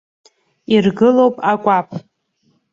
Иргылоуп акәаԥ.